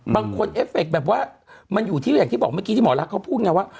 เอฟเฟคแบบว่ามันอยู่ที่อย่างที่บอกเมื่อกี้ที่หมอรักเขาพูดไงว่า